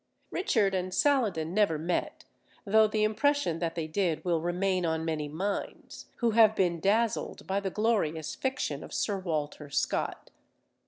Richard and Saladin never met, though the impression that they did will remain on many minds, who have been dazzled by the glorious fiction of Sir Walter Scott.